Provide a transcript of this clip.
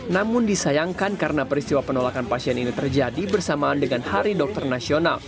namun disayangkan karena peristiwa penolakan pasien ini terjadi bersamaan dengan hari dokter nasional